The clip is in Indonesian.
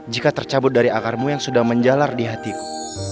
jika tercabut dari akarmu yang sudah menjalar di hatiku